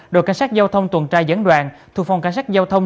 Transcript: đội cảnh sát giao thông tuần trai giảng đoàn thuộc phòng cảnh sát giao thông